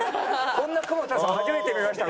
こんな久保田さん初めて見ました。